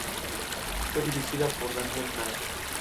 Fue dirigida por Daniel Mann.